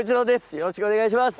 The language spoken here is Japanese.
よろしくお願いします